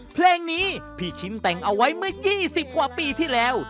เพลงนี้พี่ชินแต่งเอาไว้เมื่อ๒๐กว่าปีที่แล้ว